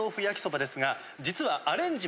実は。